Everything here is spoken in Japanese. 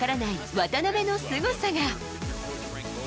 渡邊のすごさが。